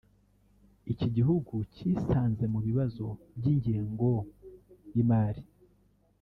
iki gihugu cyisanze mu bibazo by’ingengo y’imari